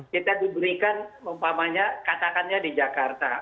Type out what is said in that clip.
kita diberikan umpamanya katakannya di jakarta